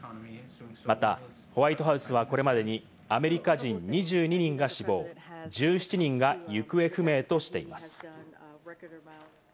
また、ホワイトハウスはこれまでにアメリカ人、２２人が死亡、１７人が行方不明としています。